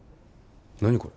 何これ？